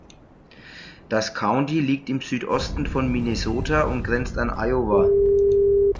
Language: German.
Das County liegt im Südosten von Minnesota und grenzt an Iowa.